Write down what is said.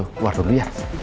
keluar dulu ya